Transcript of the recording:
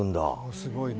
すごいね。